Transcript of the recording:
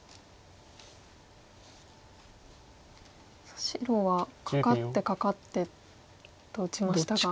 さあ白はカカってカカってと打ちましたが。